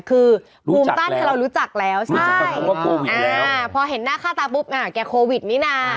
คือภูมิต้านถ้าเรารู้จักแล้วใช่พอเห็นหน้าค่าตาปุ๊บแกโควิดนี่นะ